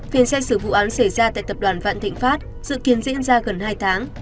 phiên xét xử vụ án xảy ra tại tập đoàn vạn thịnh pháp dự kiến diễn ra gần hai tháng